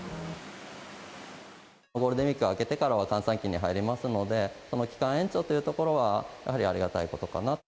ゴールデンウィーク明けてからは閑散期に入りますので、期間延長というところは、やはりありがたいことかなと。